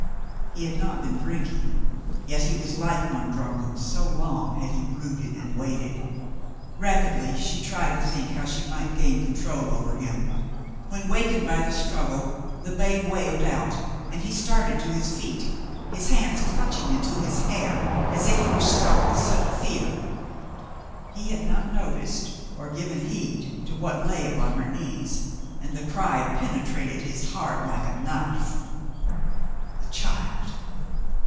He had not been drinking, yet he was like one drunken, so long had he brooded and waited. Rapidly she tried to think how she might gain control over him, when, wakened by the struggle, the babe wailed out and he started to his feet, his hands clutching into his hair as if he were struck with sudden fear. He had not noticed or given heed to what lay upon her knees, and the cry penetrated his heart like a knife. A child